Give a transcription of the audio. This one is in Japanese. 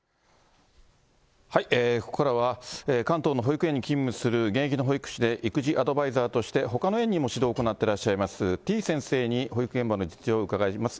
ここからは、関東の保育園に勤務する現役の保育士で育児アドバイザーとしてほかの園にも指導を行っていらっしゃいます、てぃ先生に保育園現場の実情をお伺いします。